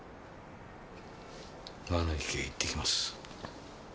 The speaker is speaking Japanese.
魔の池へ行ってきます。